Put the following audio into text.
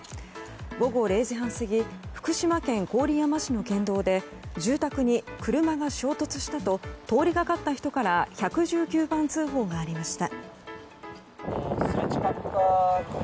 午後０時半過ぎ福島県郡山市の県道で住宅に車が衝突したと通りがかった人から１１９番通報がありました。